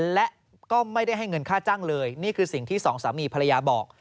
และก็ไม่ได้ให้เงินค่าจ้างเลยนี่คือสิ่งที่สองสามีภรรยาบอก